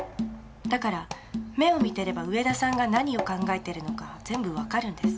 だから目を見てれば上田さんが何を考えてるのか全部わかるんです。